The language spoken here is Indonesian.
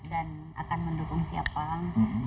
dan akan mendukung siapang